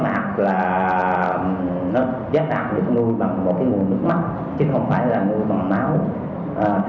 mỗi ca ghép giác mạc được thực hiện chỉ trong bốn mươi năm phút